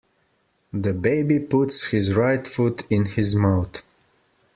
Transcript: The baby puts his right foot in his mouth.